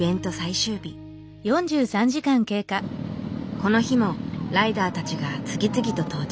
この日もライダーたちが次々と到着。